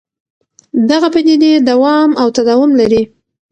دغه پدیدې دوام او تداوم لري.